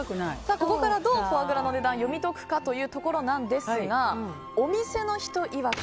ここか、どうフォアグラの値段を読み解くかということですがお店の人いわく